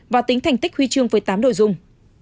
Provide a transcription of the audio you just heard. và tính thành tích huy chương với tám đội dung